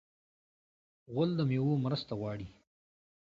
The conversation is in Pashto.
غول د میوو مرسته غواړي.